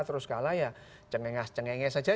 terus kalah ya cengenges cengenges saja